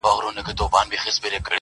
نه له پلاره پاتېده پاچهي زوى ته-